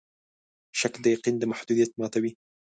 شک د یقین د محدودیت ماتوي.